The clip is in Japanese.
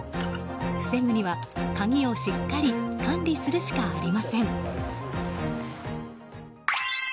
防ぐには、鍵をしっかり管理するしかありません。